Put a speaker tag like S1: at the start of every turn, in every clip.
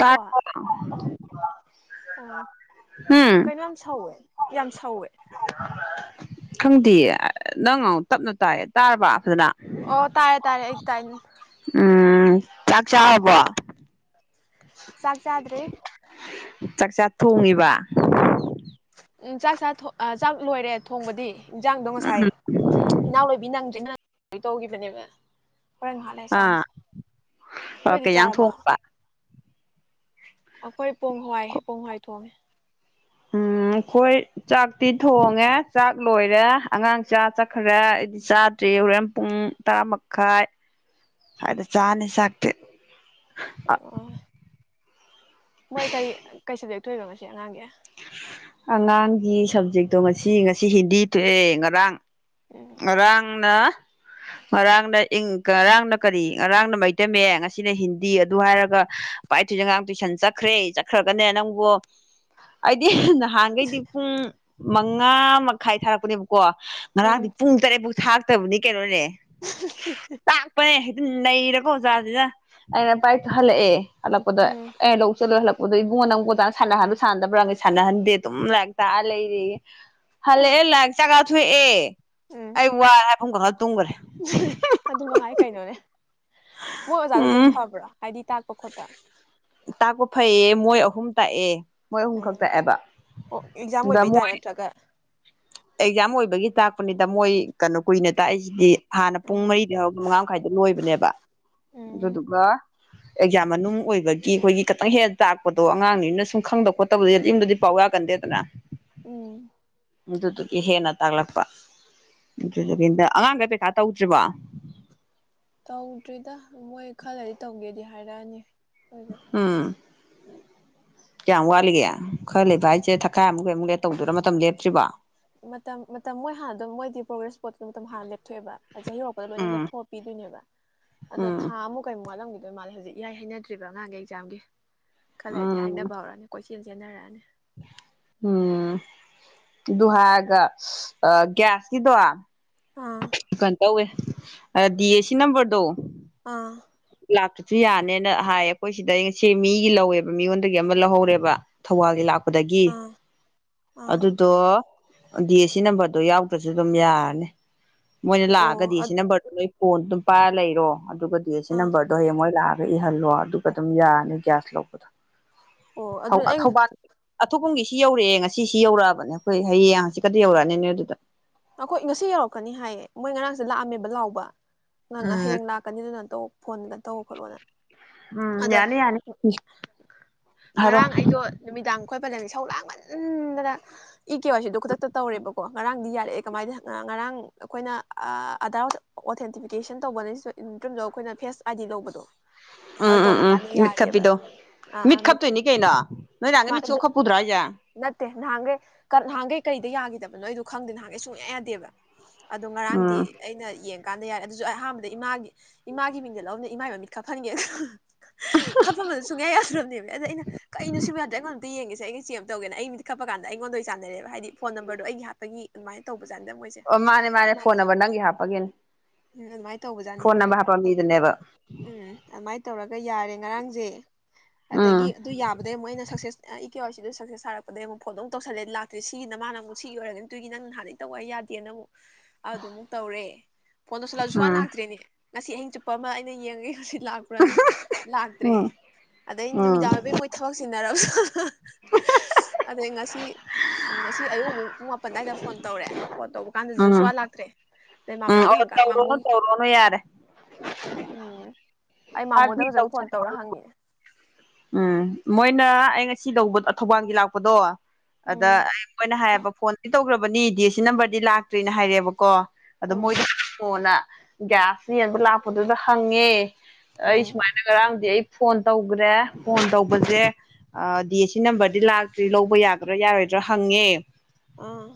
S1: ꯇꯥ
S2: ꯑꯣ
S1: ꯎꯝ
S2: ꯀꯩꯅꯣ ꯌꯥꯝ ꯁꯧꯋꯦ ꯌꯥꯝ ꯁꯧꯋꯦ
S1: ꯈꯪꯗꯦ ꯅꯪ ꯑꯃꯨꯛ ꯇꯞꯅ ꯇꯥꯏ ꯇꯥꯔꯕ ꯐꯖꯅ
S2: ꯑꯣ ꯇꯥꯔꯦ ꯇꯥꯔꯦ ꯇꯥꯏ
S1: ꯎꯝ ꯆꯥꯛ ꯆꯥ ꯍꯕ
S2: ꯆꯥꯛꯖꯗ꯭ꯔꯤ
S1: ꯆꯥꯛꯆꯥ ꯊꯣꯡꯉꯤꯕ
S2: ꯎꯝ ꯆꯥꯛ ꯆꯥ ꯆꯥꯛ ꯂꯣꯏꯔꯦ ꯊꯣꯡꯕꯗꯤ ꯏꯟꯖꯥꯡꯗꯣ ꯉꯁꯥꯏ ꯏꯅꯥꯎ ꯂꯣꯏꯕꯤ ꯅꯪꯗ ꯂꯣꯏ ꯇꯧꯈꯤꯕꯅꯦꯕ ꯍꯣꯔꯦꯟ ꯉꯍꯥꯛ ꯂꯩꯔ ꯆꯥꯅꯤ
S1: ꯑꯥ
S2: ꯅꯣꯏꯗꯤ
S1: ꯀꯩ ꯏꯟꯖꯥꯡ
S2: ꯆꯥꯔꯕ
S1: ꯊꯣꯡꯕ
S2: ꯑꯩꯈꯣꯏ ꯄꯣꯡ ꯍꯋꯥꯏ ꯄꯣꯡ ꯍꯏ ꯊꯣꯡꯉꯦ
S1: ꯎꯝ ꯑꯩꯈꯣꯏ ꯆꯥꯛꯇꯤ ꯊꯣꯡꯉꯦ ꯆꯥꯛ ꯂꯣꯏꯔꯦ ꯑꯉꯥꯡ ꯆꯥ ꯆꯠꯈ꯭ꯔꯦ ꯑꯩꯗꯤ ꯆꯥꯗ꯭ꯔꯤ ꯌꯧꯔꯦꯟ ꯄꯨꯡ ꯇꯔꯥꯃꯈꯥꯏ ꯁꯏꯗ ꯆꯥꯅꯤ ꯆꯥꯛꯇꯤ
S2: ꯑꯣ ꯃꯣꯏ ꯀꯔꯤ ꯀꯩꯁ ꯊꯣꯏꯅꯣ ꯉꯁꯤ ꯑꯉꯥꯡꯒꯤ
S1: ꯑꯉꯥꯡꯒꯤ ꯁꯕꯖꯦꯛꯇꯣ ꯉꯁꯤ ꯉꯁꯤ ꯍꯤꯟꯗꯤ ꯊꯣꯛꯑꯦ ꯉꯔꯥꯡ
S2: ꯎꯝ
S1: ꯉꯔꯥꯡꯅ ꯉꯔꯥꯡꯅ ꯏꯪ ꯉꯔꯥꯡꯅ ꯀꯔꯤ ꯉꯔꯥꯡꯅ ꯃꯩꯇꯩ ꯃꯌꯦꯛ ꯉꯁꯤꯅ ꯍꯤꯟꯗꯤ ꯑꯗꯨ ꯍꯥꯏꯔꯒ ꯄꯥꯏ ꯊꯨꯏꯁ ꯑꯉꯥꯡ ꯇꯨꯏꯁꯟ ꯆꯠꯈ꯭ꯔꯦ ꯆꯠꯈ꯭ꯔꯒꯅꯦ ꯅꯪꯕꯨ ꯑꯩꯗꯤ ꯍꯡꯍꯩꯗꯤ ꯄꯨꯡ ꯃꯉꯥ ꯃꯈꯥꯏ ꯊꯥꯔꯛꯄꯅꯦ ꯀꯣ ꯉꯔꯥꯡꯗꯤ
S2: ꯎꯝ
S1: ꯇꯔꯦꯕꯨ ꯊꯥꯛꯇꯕꯅꯤ ꯀꯩꯅꯣꯅꯦ ꯇꯥꯥꯛꯄꯅꯦ ꯑꯗꯨꯝ ꯅꯩꯔꯦꯀꯣ ꯑꯣꯖꯥꯁꯤꯗ ꯑꯩꯅ ꯄꯥꯏꯊꯍꯜꯂꯛꯑꯦ ꯍꯂꯛꯄꯗ
S2: ꯎꯝ
S1: ꯑꯩꯅ ꯂꯧ ꯆꯠꯂ ꯍꯜꯂꯛ ꯑꯗꯣ ꯏꯕꯨꯉꯣ ꯅꯪꯕꯣ ꯑꯣꯖꯅ ꯁꯥꯟꯅꯍꯟ ꯁꯥꯟꯗꯕ꯭ꯔꯥ ꯁꯥꯟꯅꯍꯟꯗꯦ ꯑꯗꯨꯝ ꯂꯥꯏꯔꯤꯛ ꯇꯥꯛꯑ ꯂꯩꯔꯦꯌꯦ ꯍꯜꯂꯛꯑꯦ ꯂ ꯆꯥꯛ ꯊꯨꯏ ꯑꯦ
S2: ꯎꯝ
S1: ꯑꯩ ꯋꯥ ꯍꯥꯏ ꯐꯨꯡ
S2: [inaudible] ꯑꯗꯨ ꯃꯉꯥꯏ ꯀꯩꯅꯣꯅꯦ ꯃꯣꯏ ꯑꯣꯖꯥꯗ ꯑꯗꯨꯝ
S1: ꯎꯝ
S2: ꯐꯕ꯭ꯔꯥ ꯍꯥꯏꯗꯤ ꯇꯥꯛ ꯑꯣꯈꯣꯇ
S1: ꯇꯥꯛꯄ ꯐꯩꯌꯦ ꯃꯣꯏ ꯑꯍꯨꯝ ꯇꯥꯛꯑꯦ ꯃꯣꯏ ꯑꯍꯨꯝ
S2: ꯎꯝ
S1: ꯈꯛꯇꯥꯛꯑꯦꯕ
S2: ꯑꯣ ꯑꯦꯛꯖꯥꯝ
S1: ꯑꯗ
S2: ꯑꯣꯏꯕꯩ ꯇꯥꯔꯦ
S1: ꯃꯣꯏ
S2: ꯅꯠꯇ꯭ꯔꯒ
S1: ꯑꯦꯛꯖꯥꯝ ꯑꯣꯏꯕꯒꯤ ꯇꯥꯛꯄꯅꯤꯗ ꯃꯣꯏ ꯀꯩꯅꯣ ꯀꯨꯏꯅ ꯇꯥꯛꯏꯁꯤꯗꯤ ꯍꯥꯟꯅ ꯄꯨꯡ
S2: ꯑꯣ
S1: ꯃꯔꯤꯗꯩ ꯍꯧꯔꯒ ꯃꯉꯥ ꯃꯈꯥꯏꯗ ꯂꯣꯏꯕꯅꯦꯕ
S2: ꯎꯝ
S1: ꯑꯗꯨꯗꯨꯒ ꯑꯦꯛꯖꯥꯝ ꯃꯅꯨꯡ ꯑꯣꯏꯕꯒꯤ ꯑꯩꯈꯣꯏꯒꯤ ꯈꯤꯇꯪ ꯍꯦꯟꯅ ꯇꯥꯛꯄꯗꯣ ꯑꯉꯥꯡꯅꯤꯅ ꯁꯨꯝ ꯈꯪꯗꯕ ꯈꯣꯠꯇꯕ ꯌꯨꯝꯗꯗꯤ ꯄꯥꯎ ꯌꯥꯒꯟꯗꯦꯗꯅ
S2: ꯎꯝ
S1: ꯗꯨꯗꯨꯒꯤ ꯍꯦꯟꯅ ꯇꯥꯂꯛꯄ
S2: ꯑꯣ
S1: ꯑꯗꯨꯗꯨꯒꯤꯟꯗ ꯑꯉꯥꯡꯒꯩ ꯄꯩ ꯇꯧꯗ꯭ꯔꯤꯕꯣ
S2: ꯍꯥꯏꯔꯅꯤ
S1: ꯎꯝ ꯀꯌꯥꯝ ꯋꯥꯠꯂꯤꯒꯦ ꯈꯔ ꯂꯩꯕ ꯍꯥꯏꯁꯦ ꯊꯛꯈꯥꯏ ꯑꯃꯨꯛꯀꯩꯃꯨꯛ ꯂꯩꯔ ꯇꯧꯗꯣꯏꯔꯣ ꯃꯇꯝ ꯂꯦꯞꯇ꯭ꯔꯤꯕꯣ
S2: ꯃꯇꯝ ꯃꯇꯝ ꯃꯣꯏ ꯍꯥꯟꯅ ꯑꯗꯨꯝ ꯃꯣꯏꯗꯤ ꯄ꯭ꯔꯣꯒ꯭ꯔꯦꯁ ꯁꯄꯣꯠꯇ ꯃꯇꯝ ꯍꯥꯟꯅ ꯂꯦꯞꯊꯣꯛꯑꯦꯕ ꯆꯍꯤ ꯌꯔꯛꯄꯗ ꯂꯣꯏꯅ
S1: ꯎꯝ
S2: ꯂꯦꯞꯊꯣꯛꯑꯄꯤꯗꯣꯏꯅꯦꯕ ꯑꯗꯣ
S1: ꯎꯝ
S2: ꯊꯥ ꯑꯃꯨꯛ ꯀꯩꯛ ꯃꯥꯜꯂꯝꯒꯦ ꯑꯗꯨ ꯃꯥꯜꯂ ꯍꯧꯖꯤꯛ ꯏꯏ ꯍꯩꯅꯗ꯭ꯔꯤꯕ꯭ꯔ ꯑꯉꯥꯡꯒꯤ ꯑꯦꯛꯖꯥꯝꯒꯤ ꯈꯜꯂꯗꯤ
S1: ꯎꯝ
S2: ꯍꯥꯏꯅꯕ ꯍꯧꯔꯅꯤ ꯀꯣꯏꯁꯤ ꯆꯦꯡꯖꯤꯦꯟꯅꯔꯛꯑꯅꯤ
S1: ꯎꯝ ꯑꯗꯨ ꯍꯥꯏꯔꯒ ꯑ ꯒ꯭ꯌꯥꯁꯀꯤꯗꯣ
S2: ꯑꯥ
S1: ꯀꯥꯟꯗꯎꯦ ꯗꯤ ꯑꯦ ꯁꯤ ꯅꯝꯕꯝꯕꯔꯗꯣ
S2: ꯑꯥ
S1: ꯂꯥꯛꯄꯁꯨ ꯌꯥꯅꯦꯅ ꯍꯥꯏꯌꯦ ꯑꯩꯈꯣꯏ ꯁꯤꯗ ꯑꯩ ꯉꯁꯦ ꯃꯤꯒꯤ ꯂꯧꯋꯦꯕ ꯃꯤꯉꯣꯟꯗꯒꯤ ꯑꯃ ꯂꯧꯍꯧꯔꯦꯕ ꯊꯧꯕꯥꯜꯒꯤ ꯂꯥꯛꯄ ꯗꯒꯤ
S2: ꯑꯥ ꯑꯥ
S1: ꯑꯗꯨꯗꯣ ꯗꯤ ꯑꯦ ꯁꯤ ꯅꯝꯕꯔꯗꯣ ꯌꯥꯎꯗ꯭ꯔꯁꯨ ꯑꯗꯨꯝ ꯌꯥꯔꯅꯤ ꯃꯣꯏꯅ
S2: ꯑꯣ
S1: ꯂꯥꯛꯑꯒꯗꯤ ꯁꯤ ꯅꯝꯕꯔꯗꯣ ꯂꯣꯏ ꯀꯣꯟ ꯑꯗꯨꯝ ꯄꯥꯏꯔ ꯂꯩꯔꯣ ꯑꯗꯨꯒꯗꯤ ꯁꯤ
S2: ꯑꯥ
S1: ꯅꯝꯕꯔꯗꯣ ꯍꯌꯦꯡꯣꯏ ꯂꯥꯛꯑꯒ ꯏꯍꯜꯂꯣ ꯑꯗꯨꯒ ꯑꯗꯨꯝ ꯌꯥꯔꯅꯤ ꯒ꯭ꯌꯥꯁ ꯂꯧꯕꯗꯣ
S2: ꯑꯣ
S1: ꯊꯧ
S2: ꯑꯗꯨ ꯑꯩ
S1: ꯊꯧꯕꯥꯜ ꯑꯊꯣꯞꯄꯝꯒꯤ ꯁꯤ ꯌꯧꯔꯛꯑꯦ ꯉꯁꯤ ꯌꯧꯔꯛꯑꯕꯅꯦ ꯑꯩꯈꯣꯏ ꯍꯌꯦꯡꯁꯤꯀꯗꯤ ꯌꯧꯔꯛꯑꯅꯤꯅꯦ ꯑꯗꯨꯗ
S2: ꯑꯩꯈꯣꯏ ꯉꯁꯤ ꯌꯧꯔꯛꯀꯅꯤ ꯍꯥꯏꯌꯦ ꯃꯣꯏ ꯉꯔꯥꯡꯁꯦ ꯂꯥꯛꯑꯝꯃꯦꯕ ꯂꯥꯎꯕ ꯅꯪ
S1: ꯎꯝ
S2: ꯍꯌꯦꯡ ꯂꯥꯛꯀꯅꯤꯗꯨꯅ ꯑꯇꯣ ꯐꯣꯟꯗꯨꯗ ꯇꯧꯕ ꯈꯣꯠꯂꯣꯅ
S1: ꯎꯝ
S2: ꯑꯗ
S1: ꯌꯥꯅꯤ ꯌꯥꯅꯤ ꯍꯥꯏꯔꯣ
S2: ꯉꯔꯥꯡ ꯑꯩꯗꯣ ꯅꯨꯃꯤꯗꯥꯡ ꯑꯩꯈꯣꯏ ꯄꯂꯟꯗꯤ ꯁꯧ ꯂꯥꯡꯃꯟꯗꯅ ꯏ ꯀꯦ ꯋꯥꯁꯤꯗꯣ ꯈꯨꯗꯛꯇ ꯇꯧꯔꯦꯕꯀꯣ ꯉꯔꯥꯡꯗꯤ ꯌꯥꯔꯦꯑꯦ ꯀꯃꯥꯏꯅ ꯉꯔꯥꯡ ꯑꯩꯈꯣꯏꯅ ꯑꯗꯥ ꯑꯣꯊꯦꯟꯇꯤꯐꯤꯀꯦꯁꯟ ꯇꯧꯕꯅꯇꯝꯗ ꯑꯩꯈꯣꯏꯅ ꯐꯦꯁ ꯑꯥꯏ ꯗꯤ ꯂꯧꯕꯗꯣ ꯑꯗꯨ
S1: ꯎꯝ ꯎꯝ
S2: ꯇꯧꯕ
S1: ꯎꯝ
S2: ꯀꯥꯟꯗ
S1: ꯃꯤꯠ
S2: ꯌꯥꯔꯦꯕ
S1: ꯈꯞꯄꯤꯗꯣ
S2: ꯑꯥ
S1: ꯃꯤꯠ ꯈꯞꯇꯣꯏꯅꯤ ꯀꯩꯅꯣ ꯅꯣꯏ ꯅꯍꯥꯟꯒꯩ ꯃꯤꯠ ꯁꯨꯡꯈꯞ ꯈꯞꯄꯨꯗ꯭ꯔꯣ ꯍꯥꯏꯁꯦ
S2: ꯅꯠꯇꯦ ꯅꯍꯥꯟꯈꯩ ꯅꯍꯥꯟꯈꯩ ꯀꯔꯤꯗ ꯌꯥꯈꯤꯗꯕ ꯅꯣꯏꯣ ꯈꯪꯗꯦ ꯍꯥꯏ ꯁꯨꯨꯡ ꯌꯥꯗꯦꯕ ꯑꯗꯣ
S1: ꯎꯝ
S2: ꯉꯔꯥꯡꯗꯤ ꯑꯩꯅ ꯌꯦꯡ ꯀꯥꯟꯗ ꯌꯥꯏꯦ ꯑꯗꯨꯁꯨ ꯑꯩ ꯑꯍꯥꯟꯕꯗ ꯏꯃꯥ ꯏꯃꯥ ꯃꯤꯡꯗ ꯂꯧꯅ ꯏꯃꯥꯏ ꯃ ꯃꯤꯠ ꯈꯞ ꯐꯟꯒꯦ ꯈꯐꯝꯝꯕꯗꯣ ꯁꯨꯡꯌꯥ ꯌꯥꯗ꯭ꯔꯕꯅꯦꯕ ꯑꯗ ꯑꯩꯅ ꯀꯩꯅ ꯁꯨꯡꯌꯥ ꯌꯥꯗ꯭ꯔꯦ ꯑꯩꯉꯣꯟꯗ ꯑꯗ ꯌꯦꯡꯉꯦ ꯑꯩꯩꯅ ꯆꯦ ꯑꯃ ꯇꯧꯒꯦ ꯑꯩ ꯃꯤꯗꯤ ꯊꯛꯄ ꯀꯥꯟꯗ ꯑꯩꯉꯣꯟꯗ ꯆꯅꯔꯦꯕ ꯍꯥꯏꯗꯤ ꯐꯣꯟ ꯅꯝꯕꯔꯗꯣ ꯑꯩꯒꯤ ꯍꯥꯞꯄꯒꯤ ꯑꯗꯨꯃꯥꯏꯅ ꯇꯧꯕ ꯣꯏꯁꯦ
S1: ꯑꯣ ꯃꯥꯅꯦ ꯃꯥꯅꯦ
S2: ꯎꯝ
S1: ꯐꯣꯟ ꯅꯝꯕꯔ ꯅꯪꯒꯤ ꯍꯥꯞꯄꯒꯤꯅꯦ
S2: ꯑꯗꯨꯃꯥꯏꯅ ꯇꯧꯕꯖꯥꯠꯅꯤ
S1: ꯐꯣꯟ ꯅꯝꯕꯔ ꯍꯥꯞꯄ ꯃꯤꯗꯨꯅꯦꯕ
S2: ꯎꯝ ꯑꯗꯨꯃꯥꯏꯅ ꯇꯧꯔꯒ ꯌꯥꯔꯦ ꯉꯔꯥꯡꯁꯦ
S1: ꯎꯝ
S2: ꯑꯗꯒꯤ ꯑꯗꯨ ꯌꯥꯕꯗꯒꯤꯩ ꯃꯣꯏ ꯑꯅ ꯁꯛꯁꯦꯁ ꯑꯩ ꯏ ꯀꯦ ꯋꯥꯔꯤꯁꯤꯁꯨ ꯁꯛꯁ ꯁꯥꯔꯛꯄꯗꯒꯤ ꯑꯃꯨꯛ ꯐꯣꯟꯗꯨꯛ ꯇꯧꯁꯜꯂꯦ ꯂꯥꯛꯇꯦꯁꯤ ꯃꯥꯅ ꯑꯃꯨ ꯁꯤꯒꯤ ꯑꯣꯏꯔꯒꯅꯤ ꯑꯗꯨꯒꯤ ꯅꯪ ꯅꯍꯥꯟꯛ ꯇꯧ ꯌꯥꯗꯦꯅꯕꯨꯛ ꯑꯗꯨꯃꯨꯛ ꯇꯧꯔꯦ ꯐꯣꯟ ꯇꯧꯁꯤꯜꯂꯛꯑ ꯁꯨꯀꯥꯟꯅ
S1: ꯎꯝ
S2: ꯂꯥꯛꯇ꯭ꯔꯔꯤꯅꯦ ꯉꯁꯤ ꯑꯍꯤꯡ ꯆꯨꯞꯄ ꯑꯃ ꯑꯩꯅ ꯌꯦꯡꯉꯒꯦ ꯉꯁꯤ ꯂꯥꯛꯄ꯭ꯔꯥꯅ
S1: ꯎꯝ
S2: ꯂꯥꯛꯇ꯭ꯔꯦ ꯑꯗꯩ
S1: ꯎꯝ
S2: ꯅꯨꯃꯤꯗꯥꯡ ꯑꯣꯏꯕꯩ ꯃꯣꯏ ꯊꯕꯛ ꯁꯤꯟꯅꯔꯕ ꯑꯗꯩ ꯉꯁꯤ ꯉꯁꯤ ꯑꯌꯨꯛ ꯑꯃꯨꯛ ꯄꯨꯡ ꯃꯥ ꯑꯗꯥꯏꯗ ꯐꯣꯟ ꯇꯧꯔꯦ ꯐꯣꯟ ꯇꯧꯕ ꯀꯥꯟꯗꯁꯨ
S1: ꯎꯝ
S2: ꯁꯨꯋꯥ ꯂꯥꯛꯇ꯭ꯔꯦ ꯑꯗꯩ
S1: ꯎꯝ
S2: ꯃꯥꯃꯣꯗ
S1: ꯑꯣ
S2: ꯍꯪꯀꯥꯟꯗ
S1: ꯇꯧꯔꯣꯅꯨ
S2: ꯃꯥꯃꯣꯒꯤ
S1: ꯇꯧꯔꯣꯅꯨ ꯌꯥꯔꯦ
S2: ꯎꯝ ꯑꯩ ꯃꯥꯃꯣꯗ
S1: ꯍꯥꯏꯕꯗꯤ
S2: ꯐꯖꯅ ꯐꯣꯟ
S1: ꯇꯧꯁꯟꯒꯅꯨ
S2: ꯇꯧꯔ ꯍꯪꯉꯤꯅꯦ
S1: ꯎꯝ ꯃꯣꯏꯅ ꯑꯩ ꯉꯁꯤ ꯂꯧꯕꯗ ꯊꯧꯕꯥꯜꯒꯤ ꯂꯥꯛꯄꯗꯣ ꯑꯗ
S2: ꯎꯝ
S1: ꯑꯩ ꯃꯣꯏꯅ ꯍꯥꯏꯌꯦꯕ ꯐꯣꯟꯗꯤ ꯇꯧꯈ꯭ꯔꯕ ꯕꯅꯤ ꯗꯤ ꯁꯤ ꯅꯝꯕꯔꯗꯤ ꯂꯥꯛꯇ꯭ꯔꯤꯅ ꯍꯥꯏꯔꯛꯑꯦꯕꯀꯣ ꯑꯗꯣ ꯃꯣꯏꯗ
S2: ꯎꯝ
S1: ꯍꯪꯉꯣꯅ ꯒ꯭ꯌꯥꯁ ꯌꯦꯟꯕ ꯂꯥꯛꯄꯗꯨꯗ ꯍꯪꯉꯦ ꯑꯩ
S2: ꯎꯝ
S1: ꯁꯨꯃꯥꯏꯅ ꯉꯔꯥꯡꯗꯤ ꯑꯩ phone ꯇꯧꯒꯔꯦ phone ꯇꯧꯕꯖꯦ D S C ꯅꯝꯕꯔꯗꯤ ꯂꯥꯛꯇ꯭ꯔꯤ ꯂꯧꯕ ꯌꯥꯒꯗꯔꯥ ꯌꯥꯔꯣꯏꯗ꯭ꯔꯥ ꯍꯪꯉꯦ
S2: ꯑꯥ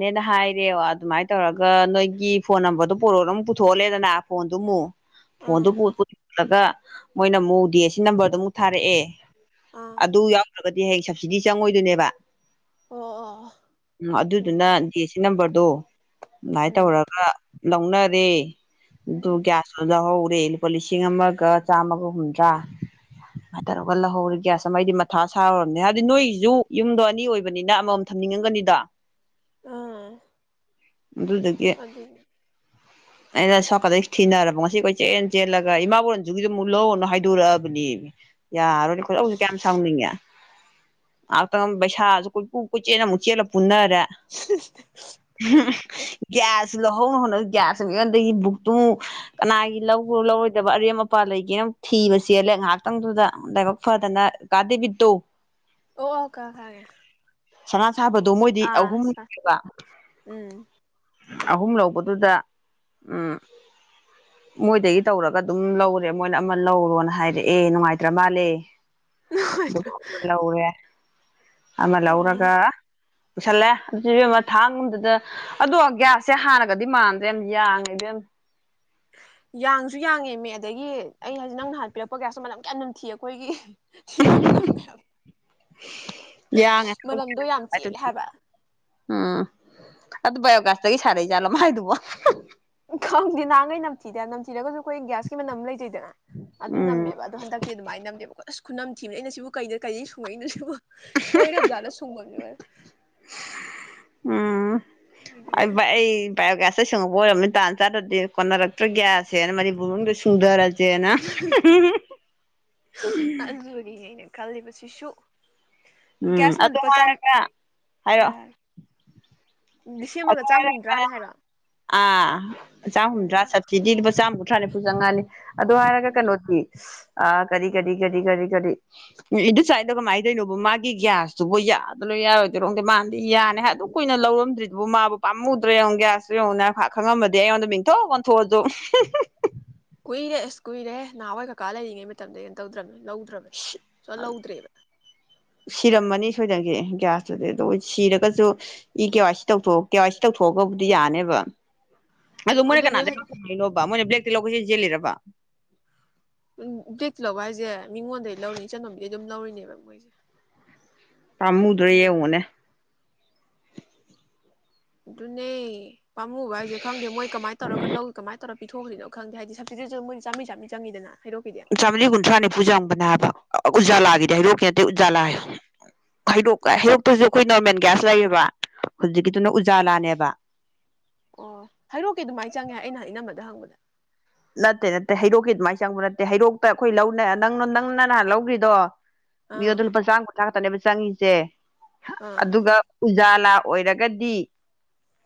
S1: ꯅꯦꯅ ꯍꯥꯏꯔꯦ ꯑꯗꯨꯃꯥꯏ ꯇꯧꯔꯒ ꯅꯣꯏꯒꯤ ꯐꯣꯟ ꯅꯝꯕꯔꯗꯨ ꯄꯨꯔꯣꯅ ꯄꯨꯊꯣꯛꯍꯜꯂꯦꯗꯅ ꯐꯣꯟꯗꯨ ꯑꯃꯨꯛ
S2: ꯑꯥ
S1: ꯐꯣꯟꯗꯨꯂꯒ ꯃꯣꯏꯅ ꯑꯃꯨꯛ ꯗꯤ ꯑꯦꯁ ꯁꯤ ꯅꯝꯕꯔꯗꯨ ꯑꯃꯨꯛ ꯊꯥꯔꯛꯑꯦ
S2: ꯑꯥ
S1: ꯑꯗꯨ ꯌꯥꯎꯗꯕ ꯗꯤ ꯍꯌꯦ ꯁꯕꯁꯤꯗꯤ ꯆꯪꯉꯣꯏꯗꯣꯏꯅꯦꯕ
S2: ꯑꯣ ꯑꯣ
S1: ꯎꯝ ꯑꯗꯨꯗꯨꯅ ꯗꯤ ꯑ ꯦ ꯁꯤ ꯅꯝꯕꯔ ꯗꯣ ꯑꯗꯨꯃꯥꯏꯅ
S2: ꯎꯝ
S1: ꯇꯧꯔꯒ ꯂꯧꯅꯔꯦ
S2: ꯎꯝ
S1: ꯑꯗꯨꯒꯌꯥꯁꯗꯨ ꯂꯧꯍꯧ ꯑꯩ ꯂꯨꯄꯥ ꯂꯤꯁꯤꯡ ꯑꯃꯒ ꯆꯥꯝꯃꯒ ꯍꯨꯝꯗ꯭ꯔꯥ ꯁꯨꯃꯥꯏꯅ ꯇꯧꯔꯒ ꯂꯧꯍꯧꯔꯤ ꯒ꯭ꯌꯥꯁ ꯑꯃ ꯑꯩꯗꯤ ꯃꯊꯥ ꯁꯥꯔꯣꯔꯝꯅꯦ ꯍꯥꯏꯕꯗꯤ ꯅꯣꯏꯒꯤꯖꯨ ꯌꯨꯝꯗꯣ ꯑꯅꯤ ꯑꯣꯏꯕꯅꯤꯅ ꯑꯃꯃꯝ ꯊꯝꯅꯤꯡꯉꯝꯒꯅꯤꯗꯣ
S2: ꯑꯥ
S1: ꯃꯗꯨꯗꯒꯤ
S2: ꯑꯗꯨ
S1: ꯑꯩꯅ ꯁꯣꯅꯀꯟꯗ ꯊꯤꯅꯔꯕ ꯉꯁꯤ ꯀꯣꯏ ꯆꯦꯟ ꯆꯦꯜꯂꯒ ꯏꯃꯥ ꯕꯣꯛ ꯔꯟꯖꯨꯒꯤꯖꯨ ꯑꯃꯨꯛ ꯂꯧꯑꯣꯅꯨ ꯍꯥꯏꯗꯣꯔꯛꯑꯕꯅꯤ ꯌꯥꯔꯣꯏꯅꯦ
S2: ꯑꯁ
S1: ꯈꯣꯏꯗꯧꯖꯦ ꯀꯌꯥꯝ ꯁꯥꯎꯅꯤꯡꯉꯦ ꯑꯇꯪ ꯄꯩꯁꯥꯖꯨ ꯀꯣꯏꯄꯨ ꯀꯣꯏꯆꯦꯅ ꯑꯃꯨꯛ ꯆꯦꯜꯂ ꯄꯨꯟꯅꯔ ꯁ ꯂꯍꯧꯅ ꯍꯅꯌꯥ [unintelligible] ꯁꯨꯝꯉꯣꯟꯗꯒꯤ ꯕꯨꯛꯇꯨꯨ ꯑꯃꯨꯛ ꯀꯅꯥꯒꯤ ꯂꯧ ꯂꯧꯔꯣꯏꯗꯕ ꯑꯔꯦꯝ ꯑꯄꯥ ꯂꯩꯒꯦꯅ ꯊꯤꯕ ꯆꯦꯜꯂꯦ ꯉꯥꯏꯍꯥꯛꯇꯪꯗꯨꯗ ꯂꯥꯏꯕꯛ ꯐꯗꯅ ꯀꯥꯗꯦꯕꯤꯠꯇꯣ
S2: ꯑꯣ ꯑꯣ ꯈꯪꯉꯦ ꯈꯪꯒꯦ
S1: ꯁꯅꯥ ꯁꯥꯕꯗꯣ ꯃꯣꯏꯗꯤ ꯑꯍꯨꯝ
S2: ꯑꯥ
S1: ꯂꯧꯋꯦꯕ
S2: ꯎꯝ
S1: ꯑꯍꯨꯝ ꯂꯧꯕꯗꯨꯗ ꯎꯝ ꯃꯣꯏꯗꯒꯤ ꯇꯧꯔꯒ ꯑꯗꯨꯝ ꯂꯧꯔꯦ ꯃꯣꯏꯅ ꯑꯃ ꯂꯧꯔꯣꯅ ꯍꯥꯏꯔꯦ ꯅꯨꯡꯉꯥꯏꯇ꯭ꯔ ꯃꯥꯜꯂꯦ ꯑꯗꯨ
S2: ꯅꯨꯡꯉꯥꯏꯇ꯭ꯔꯥ
S1: ꯂꯧꯔꯦ ꯑꯃꯦꯂ
S2: ꯎꯝ
S1: ꯑꯣꯔꯒ ꯄꯨꯁꯜꯂꯦ ꯑꯗꯨ ꯑꯃ ꯊꯥꯡꯒꯨꯝꯗꯨꯗ ꯑꯗꯣ ꯒꯌꯥꯁꯁꯦ ꯍꯥꯟꯅꯒꯗꯤ ꯃꯥꯟ ꯔꯦꯝꯕꯤꯉꯥꯏꯗꯝ
S2: ꯌꯥꯡꯁꯨ ꯌꯥꯡꯉꯦ ꯃꯤ ꯑꯗꯒꯤ ꯑꯩ ꯍꯥꯏꯖꯤ ꯅꯪ ꯅꯍꯥꯟ ꯄꯤꯔꯛꯄ ꯀꯌꯥꯁꯨ ꯃꯅꯝ ꯀꯌꯥꯝ ꯝꯊꯤ ꯑꯩꯈꯣꯏꯒꯤ ꯅꯝ ꯅ
S1: ꯌꯥꯡꯉ
S2: ꯌꯥꯝ ꯆꯦꯜꯂꯦ ꯍꯥꯏꯕ
S1: ꯎꯝ ꯑꯗ ꯌꯣꯒꯥꯁꯇꯒꯤ ꯁꯥꯔꯩ ꯆꯂ ꯃꯥꯥꯏ ꯑꯗꯨꯕꯣ
S2: ꯈꯪꯗꯗꯤ ꯅꯍꯥꯟꯈꯩ ꯅꯝꯊꯤꯗꯦ ꯅꯝꯊꯤꯔꯒꯁꯨ ꯑꯩꯈꯣꯏ ꯒ꯭ꯌꯥꯁꯀꯤ ꯃꯅꯝ ꯂꯩꯖꯩꯗ ꯑꯗꯨ
S1: ꯎꯝ
S2: ꯅꯝꯃꯦꯕ ꯑꯗꯨꯗꯣ ꯍꯟꯗꯛꯇꯤ ꯑꯗꯨꯃꯥꯏꯅ ꯅꯝꯗꯦꯕ ꯈꯨꯅꯝ ꯊꯤꯕ ꯑꯩꯅ ꯁꯤꯕꯨ ꯀꯩꯗ ꯀꯩꯗꯩ ꯁꯨꯡꯉꯛꯏ ꯅꯠꯇꯕꯣ ꯁꯣꯏꯔꯕꯖꯥꯠꯅ ꯁꯨꯡꯕꯅꯦ
S1: ꯎꯝ ꯑ ꯁꯪꯉꯛꯄ ꯑꯣꯏꯔꯝꯅꯤ ꯇꯥꯟ ꯆꯥꯗ꯭ꯔꯗꯤ ꯀꯣꯟꯅꯔꯛꯇ꯭ꯔꯒꯌꯥꯁꯦꯅ ꯃꯅꯤꯄꯨꯔ ꯁꯨꯡꯊꯔ ꯆꯅꯥ
S2: ꯑꯗꯨꯗꯨꯒꯤꯅꯦ ꯑꯩꯅ ꯈꯜꯂꯤꯕꯁꯤꯁꯨ
S1: ꯎꯝ
S2: ꯒ꯭ꯌꯥꯁ ꯑꯃ
S1: ꯑꯗꯨ
S2: ꯂꯨꯄꯥ ꯆꯥꯝ
S1: ꯍꯥꯏꯔꯒ ꯍꯥꯏꯔꯛ
S2: ꯍꯥꯏꯔꯣ ꯍꯥꯏꯔꯣ ꯂꯤꯁꯤꯡ ꯑꯃꯒ ꯆꯥꯝ ꯍꯨꯝꯗ꯭ꯔꯥꯅꯦ ꯍꯥꯏꯔꯣ
S1: ꯑꯥ ꯑ
S2: ꯎꯝ
S1: ꯆꯥꯍꯨꯝꯗ꯭ꯔꯥ ꯁꯞꯕꯁꯤꯗꯤꯗꯨ ꯆꯥꯝꯃ ꯇꯔꯥꯅꯤꯐ ꯆꯪꯉꯥꯜꯂꯤ ꯑꯗꯨ ꯍꯥꯏꯔꯒ
S2: ꯎꯝ
S1: ꯀꯩꯅꯣꯁꯤ ꯑ ꯀꯔꯤ ꯀꯔꯤ ꯀꯔꯤ ꯀꯔꯤ ꯀꯔꯤ ꯏ ꯁ꯭ꯋꯥꯏꯗꯣ ꯀꯃꯥꯏꯅ ꯇꯣꯏꯅꯣꯕ ꯃꯥꯒꯤ ꯃꯥꯒꯤ ꯒ꯭ꯌꯥꯁꯇꯨꯕꯨ ꯌꯥꯗꯣꯏ ꯌꯥꯔꯣꯏꯗꯣꯏꯔꯣꯗꯤ ꯃꯥꯗꯤ ꯌꯥꯅꯤ ꯍꯥꯏ ꯑꯗꯨꯝ ꯀꯨꯏꯅ ꯂꯧꯔꯝꯗ꯭ꯔꯤꯗꯨꯕꯨ ꯃꯥꯕꯨ ꯄꯥꯝꯃꯨꯗ꯭ꯔ ꯌꯦꯡꯉ ꯒ꯭ꯌꯥꯁꯇꯨ ꯌꯦꯡꯉꯨꯅ ꯈꯪꯉꯝꯃꯗꯤ ꯑꯩꯉꯣꯟꯗ ꯃꯤꯡꯊꯣꯛ ꯑꯣꯟꯊꯣꯛꯑꯁꯨ
S2: ꯀꯨꯏꯔꯦꯁ ꯀꯨꯏꯔꯦ ꯅꯍꯥꯟꯋꯥꯏ ꯀꯀꯥꯔꯤꯉꯩ ꯃꯇꯝꯗ ꯀꯩꯅꯣ ꯇꯧꯗ꯭ꯔꯕꯅꯦ ꯂꯧꯗ꯭ꯔꯕꯅꯦ ꯁꯨꯡꯂꯧ ꯂꯧꯗ꯭ꯔꯦꯕ
S1: ꯁꯤꯔꯝꯃꯅꯤ ꯁꯣꯏꯗꯪꯒꯤꯦ ꯒ꯭ꯌꯥꯁꯇꯨꯗꯤ ꯑꯗꯣ ꯁꯤꯔꯒꯁꯨ ꯏ ꯀꯦ ꯋꯥꯋꯥꯏ ꯁꯤ ꯇꯧꯣꯛ ꯀꯦ ꯋꯥꯏ ꯁꯤ ꯇꯧꯊꯣꯛꯑꯒꯕꯨꯗꯤ ꯌꯥꯅꯦꯕ ꯑꯗꯨ
S2: ꯎꯝ
S1: ꯃꯣꯏ ꯀꯅꯥ
S2: ꯑꯗꯨꯅꯦ
S1: ꯃꯣꯏ꯭ꯂ ꯂꯧꯣꯏꯁꯤ ꯖꯦꯂꯔꯕꯥ
S2: ꯕ꯭ꯂꯦꯛꯇ ꯂꯧꯕ ꯍꯥꯏꯁꯦ ꯃꯤꯉꯣꯟꯗꯒꯤꯩ ꯂꯧꯔꯤꯅꯤ ꯆꯅꯣꯝꯗꯩ ꯑꯗꯨꯝ ꯂꯧꯔꯤꯅꯦꯕ ꯃꯣꯏꯁꯦ ꯑꯗꯨꯅ
S1: ꯄꯥꯝꯨꯗ꯭ꯔꯔꯤꯅꯦ
S2: ꯑꯗꯨꯅꯦ ꯄꯥꯃꯨꯕ ꯍꯥꯏꯁꯦ ꯈꯪꯗꯦ ꯃꯣꯏ ꯀꯃꯥꯏ ꯇꯧꯔꯒ ꯂꯧꯏ ꯀꯃꯥꯏꯅ ꯇꯧꯔꯒ ꯄꯤꯊꯈꯁꯤꯅ ꯈꯪꯗꯦ ꯍꯥꯏꯗꯤ ꯁꯞꯤꯗꯁꯨ ꯃꯣꯏ ꯆꯥꯃꯤ ꯆꯥꯝ ꯆꯪꯉꯗꯅ
S1: ꯆꯥꯝꯔꯤ ꯀꯨꯟꯊ꯭ꯔꯥ ꯅꯤꯐꯨ ꯆꯪꯕꯅꯦ ꯍꯥꯏꯕ
S2: ꯑꯗꯨꯅꯤ
S1: ꯎꯖꯥꯂꯥꯒꯤꯗꯤ ꯍꯩꯔꯣꯛꯀꯤ ꯅꯠꯇꯇꯩ ꯎꯖꯥꯂꯥ ꯍꯩꯔꯣꯛꯀ ꯍꯩꯔꯣꯛꯇꯁꯨ ꯑꯩꯈꯣꯏ ꯒ꯭ꯌꯥꯁ ꯂꯩꯌꯦꯕ ꯍꯧꯖꯤꯛꯀꯤꯗꯨꯅ ꯎꯖꯥ ꯂꯥꯅꯦꯕ
S2: ꯑꯣ ꯍꯥꯏꯔꯣꯛꯀꯦ ꯑꯗꯨꯃꯥꯏꯅ ꯆꯪꯉꯦ ꯑꯩꯅ ꯏꯅꯝꯕꯗ ꯍꯪꯕꯗ
S1: ꯅꯠꯇꯦ ꯅꯠꯇꯦ ꯍꯩꯔꯣꯛꯀꯤ ꯑꯗꯨꯃꯥꯏꯅ ꯆꯪꯕ ꯅꯠꯇꯦ ꯍꯩꯔꯣꯛꯇ ꯑꯩꯈꯣꯏ ꯂꯧ ꯅꯪ ꯅꯪꯅ ꯅꯍꯥꯟ ꯂꯧꯈ꯭ꯔꯤꯗꯣ ꯃꯤ ꯑꯣ
S2: ꯑꯥ
S1: ꯑꯗꯨꯅ ꯄꯁꯥꯡꯒ ꯄꯨꯊꯥꯀ ꯇꯅꯦ ꯆꯪꯉꯁꯦ
S2: ꯑꯥ
S1: ꯑꯗꯨꯒ ꯎꯖꯥꯂꯥ ꯑꯣꯏꯔꯒꯗꯤ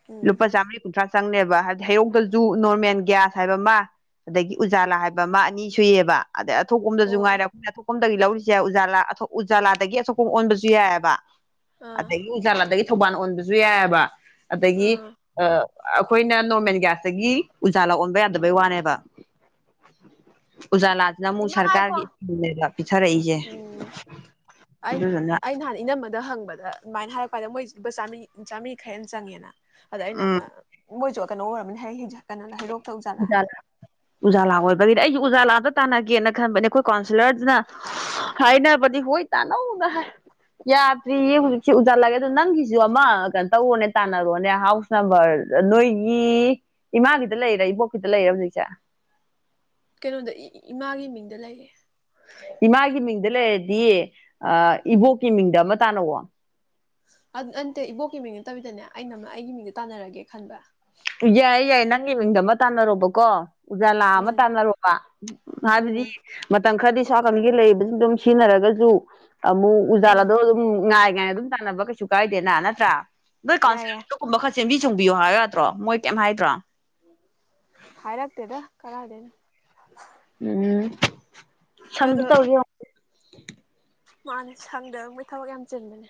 S2: ꯎꯝ
S1: ꯂꯨꯄꯥ ꯆꯃꯤꯅꯤ ꯀꯟꯊ꯭ꯔꯥꯁ ꯆꯪꯅꯦꯕ ꯍꯥꯏꯕꯗꯤ ꯍꯔꯣꯛꯇꯖꯨ ꯅꯣꯔꯃꯦꯜ ꯒ꯭ꯌꯥꯁ ꯍꯥꯏꯕ ꯑꯃ ꯑꯗꯒꯤ ꯎꯖꯥꯂꯥ ꯍꯥꯏꯕ ꯑꯃ ꯑꯅꯤ ꯁꯨꯏꯌꯦꯕ ꯑꯗꯩ ꯑꯊꯄꯝꯁꯨ
S2: ꯑꯣ
S1: ꯉꯥꯏꯔ ꯑꯩꯈꯣꯏꯅ ꯑꯄꯝ ꯂꯧꯔꯤꯁꯦ ꯌꯥꯏ ꯎꯖꯥꯂꯥ ꯎꯖꯥꯂꯥꯗꯒꯤ ꯑꯁꯣꯛꯄ ꯑꯣꯟꯕꯁꯨ ꯌꯥꯏꯑꯕ
S2: ꯑꯥ
S1: ꯑꯗꯒꯤ ꯆꯥ ꯊꯧꯕꯥꯜ ꯑꯣꯟꯕꯁꯨ ꯌꯥꯏꯑꯕ ꯑꯗꯒꯤ
S2: ꯑꯥ
S1: ꯑ ꯑꯩꯈꯣꯏꯅ ꯅꯣꯔꯃꯦꯜ ꯒ꯭ꯌꯥꯁꯇꯒꯤ ꯎꯖꯥ ꯂ ꯑꯣꯟꯕ ꯌꯥꯗꯕꯩ ꯋꯥꯅꯦꯕ ꯎꯖꯥꯂꯥꯁꯤꯅ ꯑꯃꯨꯛ
S2: ꯏꯃꯥ ꯉꯥꯏꯈꯣ
S1: ꯁꯔꯀꯥꯔꯒꯤꯕ ꯄꯤꯊꯔꯛꯏꯁꯦ
S2: ꯎꯝ
S1: ꯑꯗꯨꯗꯨꯅ
S2: ꯅ ꯍꯪꯕꯗ ꯑꯗꯨꯃꯥꯏꯅ ꯍꯥꯏꯔꯛꯄꯥꯟꯗ ꯃꯣꯏ ꯂꯨꯄꯥ ꯆꯥꯔꯤ ꯆꯥꯝꯔꯤ ꯈꯔꯦꯦꯟ ꯆꯪꯉꯦꯅ
S1: ꯎꯝ
S2: ꯑꯥꯏꯅꯃ ꯃꯖ ꯀꯩꯅꯣ ꯑꯣꯏꯔꯕꯅꯤ ꯍꯥꯏ ꯀꯩꯅ ꯍꯩꯔꯣꯛ
S1: ꯎꯖꯥ ꯎꯖꯥꯂꯥ ꯑꯣꯏ ꯑꯣꯏ ꯑꯗꯒꯤꯗꯤ ꯑꯩꯁꯨ ꯎꯖꯥ ꯂꯥꯛꯑꯄ ꯇꯥꯟꯅꯒꯦꯅ ꯈꯟꯕꯅꯦ ꯑꯩꯈꯣꯏ ꯀꯥꯎꯟꯁꯤꯜꯂꯔꯗꯨꯅ ꯍꯥꯏꯅꯕꯗꯤ ꯍꯣꯏ ꯇꯥꯟꯅꯧꯗ ꯌꯥꯗ꯭ꯔꯤꯌꯦ ꯍꯧꯖꯤꯛꯁꯤ ꯎꯖꯥ ꯂꯥꯛꯑꯦ ꯑꯗꯣ ꯅꯪꯒꯤꯁꯨ ꯑꯃ ꯀꯩꯅꯣ ꯇꯧꯔꯣꯅꯦ ꯇꯥꯟꯅꯔꯣꯅꯦ ꯍꯥꯎꯁ ꯅꯝꯕꯔ ꯅꯣꯏꯒꯤ ꯏꯃꯥꯒꯤꯗ ꯂꯩꯔꯛꯏꯕꯣ ꯈꯤꯇ ꯂꯩꯔ ꯍꯧꯖꯤꯛꯁꯦ
S2: ꯀꯩꯅꯣꯗ ꯏꯃꯥꯒꯤ ꯃꯤꯡꯗ ꯂꯩꯌꯦ
S1: ꯏꯃꯥꯒꯤ ꯃꯤꯡꯗ ꯂꯩꯔꯗꯤ ꯑ ꯏꯕꯣꯛꯀꯤ ꯃꯤꯡꯗ ꯑꯃ ꯇꯥꯅꯧꯋꯣ
S2: ꯅꯟꯇꯦ ꯏꯕꯣꯛꯀꯤ ꯃꯤꯡ ꯅꯠꯇꯕꯤꯗꯅꯦ ꯑꯩꯅ ꯑꯩꯒꯤ ꯃꯤꯡꯗ ꯇꯥꯟꯅꯔꯒꯦ ꯈꯟꯕ
S1: ꯌꯥꯏꯌꯦ ꯌꯥꯏꯌꯦ ꯅꯪꯒꯤ ꯃꯤꯡꯗ ꯑꯃ ꯇꯥꯟꯅꯔꯣꯕꯀꯣ ꯎꯖꯥꯂꯥ ꯑꯃ
S2: ꯎꯝ
S1: ꯇꯥꯟꯅꯔꯣꯕ ꯍꯥꯏꯕꯗꯤ
S2: ꯎꯝ
S1: ꯃꯇꯝ ꯈꯔꯗꯤ ꯁꯥꯥꯀꯟꯒꯤ ꯂꯩꯔꯤꯕꯕꯁꯤꯡꯗ ꯑꯗꯨꯝ ꯁꯤꯖꯤꯟꯅꯔꯒꯁꯨ ꯑꯃꯨꯛ ꯎꯖꯥꯂꯥꯗꯣ
S2: ꯎꯝ
S1: ꯑꯗꯨꯝ ꯉꯥꯏ ꯑꯗꯨꯝ ꯇꯥꯟꯅꯕ ꯀꯩꯁꯨ ꯀꯥꯏꯗꯦꯅ ꯅꯠꯇ꯭ꯔꯥ ꯅ ꯀꯥꯟꯕ
S2: ꯌꯥꯏ ꯌꯥꯏ
S1: ꯃꯈꯔ ꯆ ꯁꯦꯝꯕꯤ ꯆꯨꯝꯕꯤꯌꯨ ꯍꯥꯏ ꯅꯠꯇ꯭ꯔꯣ ꯃꯣꯏ ꯀꯩꯝ ꯍꯥꯏꯗ꯭ꯔꯣ
S2: ꯍꯥꯏꯔꯥꯛꯇꯦꯗ ꯀꯅꯥ ꯍꯥꯏꯗꯦꯅ
S1: ꯎꯝ ꯁꯝꯗꯤ ꯇꯧꯒꯦ [unintelligible]
S2: ꯃꯥ ꯁꯪꯗꯕꯕꯣꯏ ꯊꯕꯛ ꯌꯥꯝ ꯆꯤꯟꯕꯅꯦ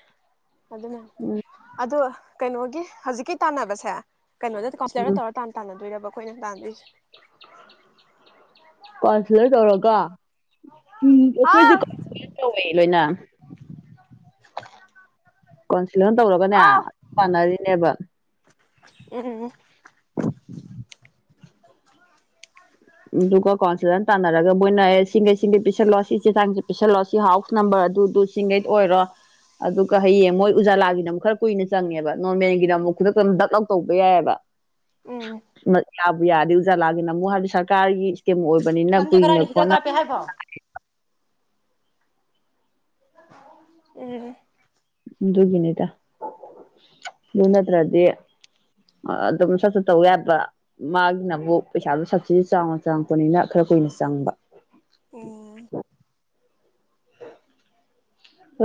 S2: ꯑꯗꯨꯅꯦ ꯑꯗ ꯀꯩꯅꯣꯒꯤ ꯍꯧꯖꯤꯛꯀꯤ ꯇꯥꯟꯅꯕꯁꯦ ꯀꯩꯅꯣꯗ ꯀꯄꯁꯂꯔ
S1: ꯎꯝ
S2: ꯇꯧ ꯇꯥꯟ ꯇꯥꯟꯅ ꯑꯗꯨꯣꯣꯏꯔꯔꯕ ꯑꯩꯈꯣꯏꯅ ꯄꯥꯟꯗꯣꯏꯁꯦ
S1: ꯀꯥꯎꯟꯁꯤꯂꯔ ꯇꯧꯔꯒ ꯎꯝ ꯑꯩꯈꯣꯏꯗꯤꯟꯂ ꯇꯧꯦ ꯂꯣꯏꯅ ꯀꯣꯟ ꯂꯣꯏ ꯇꯧꯔꯒꯅꯦ ꯄꯥꯟꯅꯔꯤꯅꯦꯕ
S2: ꯑꯦ
S1: ꯑꯗꯨꯒ ꯀꯥꯎꯟꯁꯤꯜꯗꯅ ꯇꯥꯟꯅꯔꯒ ꯃꯣꯏꯅ ꯑꯦ ꯁꯤꯡꯒꯩ ꯁꯤꯡꯒꯩ ꯄꯤꯁꯜꯂꯑꯣ ꯁꯤ ꯆꯦ ꯆꯥꯡꯁꯦ ꯄꯤꯁꯜꯂꯣ ꯁꯤ ꯍꯥꯎꯁ ꯅꯝꯕꯔ ꯑꯗꯨꯗꯨ ꯁꯤꯡꯈꯩ ꯑꯣꯏꯔꯣ ꯑꯗꯨꯒ ꯍꯌꯦꯡ ꯃꯣꯏ ꯎꯖꯥꯂꯥꯒꯤꯅ ꯑꯃꯨꯛ ꯈꯔ ꯀꯨꯏꯅ ꯆꯪꯉꯦꯕ ꯅꯣꯔꯃꯦꯜꯒꯤꯗ ꯑꯃꯨꯛ ꯈꯨꯗꯛꯇ ꯗꯛ ꯑꯥꯎꯠ ꯇꯧꯕ ꯌꯥꯏꯑꯕ
S2: ꯎꯝ
S1: ꯌꯥꯕꯨ ꯌꯥꯔꯦ ꯎꯖꯥꯂꯥꯒꯤꯅ ꯑꯃꯨꯛ ꯍꯥꯏꯕꯗꯤꯔ ꯔ ꯀꯥꯒꯤ ꯀꯝ ꯑꯣꯏꯕꯅꯤꯅ
S2: ꯁꯟꯁꯦ
S1: ꯀꯨꯏꯅ
S2: ꯀꯔꯥꯏꯅ ꯍꯤꯗꯥꯛ
S1: ꯈꯣꯠꯅ
S2: ꯀꯥꯞꯄꯦ ꯍꯥꯏꯕꯣ ꯎꯝ
S1: ꯑꯗꯨꯒꯤꯅꯤꯗ ꯑꯗꯨ ꯅꯠꯇ꯭ꯔꯗꯤ ꯑꯗꯨꯝ ꯁꯠ ꯁ ꯇꯧ ꯌꯥꯕ ꯃꯥꯒꯤꯅꯕꯨ ꯄꯩꯁꯥꯗꯨꯣ ꯁꯁꯤꯗꯤ ꯆꯥꯎꯅ ꯆꯪꯉꯛꯄꯅꯤꯅ ꯈꯔ ꯀꯨꯏꯅ ꯆꯪꯕ
S2: ꯎꯝ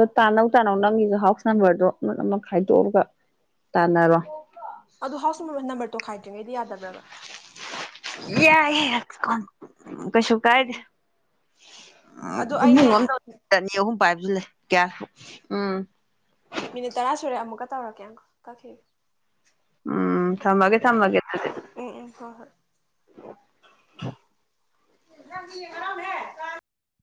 S1: ꯑ ꯇꯥꯟꯅꯧ ꯇꯥꯅꯧ ꯅꯪꯒꯤꯁꯨ ꯍꯥꯎꯁ ꯅꯝꯕꯔꯗꯣ ꯈꯥꯏꯗꯣꯛꯑꯒ ꯇꯥꯟꯅꯔꯣ
S2: ꯈꯥꯏ ꯀꯉꯩꯗꯤ ꯌꯥꯗꯕ꯭ꯔꯕ
S1: ꯌꯥ ꯍ ꯑꯁ ꯀꯣꯟ ꯎ ꯀꯩꯁꯨ ꯀꯥꯏꯗꯦ
S2: ꯑꯗꯣ ꯑꯩꯅꯦ
S1: ꯏꯃꯨꯡ ꯑꯍꯨꯝ ꯄꯥꯏꯦ ꯀꯌꯥ ꯎꯝ
S2: ꯃꯤꯅꯤꯠ ꯇꯔꯥ ꯁꯨꯔꯦ ꯑꯃꯨꯛꯀ ꯇꯧꯔꯛꯀꯦꯪ ꯀꯛꯈꯤꯒꯦ
S1: ꯎꯝ ꯊꯝꯃꯒꯦ ꯊꯝꯕꯃꯒꯦ
S2: ꯍ ꯍꯣꯏ
S1: ꯑ
S2: ꯅ ꯑꯔꯝ ꯍꯥꯏ ꯀ